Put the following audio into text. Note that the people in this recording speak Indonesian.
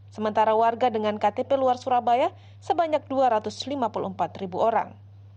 sementara warga dengan ktp luar surabaya sebanyak dua ratus lima puluh empat ribu orang